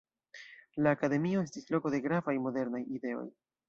La akademio estis loko de gravaj modernaj ideoj.